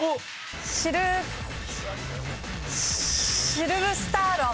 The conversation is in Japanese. シルブ・スターロン。